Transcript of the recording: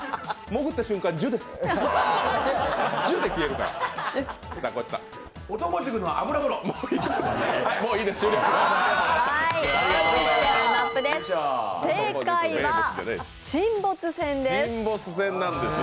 潜った瞬間、じゅっです。